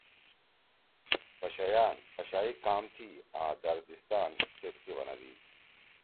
پشہ ئیان(پشائی) کام تھی آں دردستان کیسکے بنَدی؟